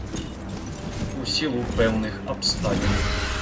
У сілу пэўных абставін.